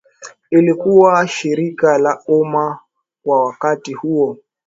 lilikuwa shirika la umma kwa wakati huo